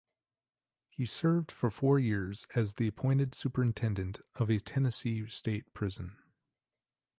He served for four years as the appointed superintendent of a Tennessee state prison.